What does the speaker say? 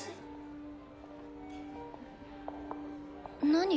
何？